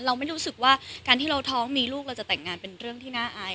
เราไม่รู้สึกว่าการที่เราท้องมีลูกเราจะแต่งงานเป็นเรื่องที่น่าอาย